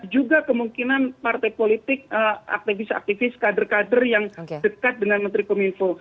juga kemungkinan partai politik aktivis aktivis kader kader yang dekat dengan menteri kominfo